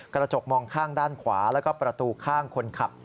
กระจกมองข้างด้านขวาแล้วก็ประตูข้างคนขับ